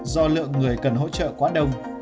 do lượng người cần hỗ trợ quá đông